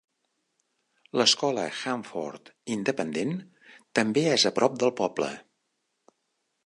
L'escola Hanford independent també és a prop del poble.